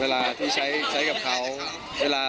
เวลาที่ใช้กับเขา